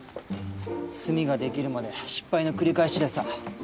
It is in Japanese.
炭ができるまで失敗の繰り返しでさ。